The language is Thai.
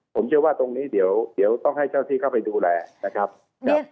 ผมเชื่อว่าตรงนี้เดี๋ยวต้องให้เจ้าที่เข้าไปดูแลนะครับ